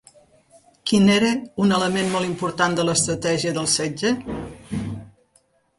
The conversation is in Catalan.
Quin era un element molt important de l'estratègia del setge?